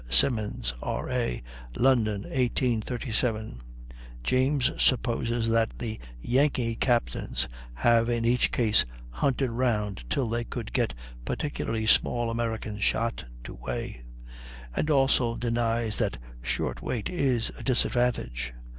Simmons, R. A., London, 1837. James supposes that the "Yankee captains" have in each case hunted round till they could get particularly small American shot to weigh; and also denies that short weight is a disadvantage.